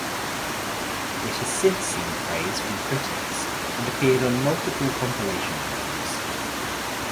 It has since seen praise from critics and appeared on multiple compilation albums.